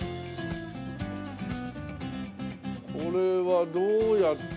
これはどうやって。